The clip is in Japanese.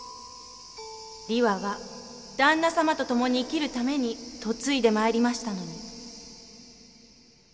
里和は旦那様と共に生きるために嫁いでまいりましたのに。